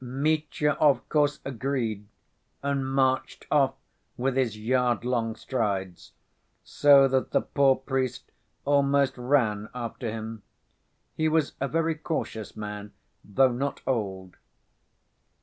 Mitya, of course, agreed, and marched off with his yard‐long strides, so that the poor priest almost ran after him. He was a very cautious man, though not old.